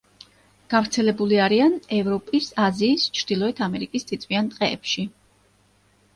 გავრცელებული არიან ევროპის, აზიის, ჩრდილოეთ ამერიკის წიწვიან ტყეებში.